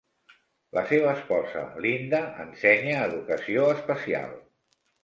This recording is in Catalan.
La seva esposa, Linda, ensenya educació especial.